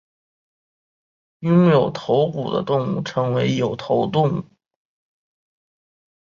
拥有头骨的动物称为有头动物。